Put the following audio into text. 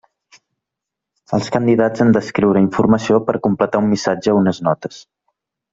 Els candidats han d'escriure informació per completar un missatge o unes notes.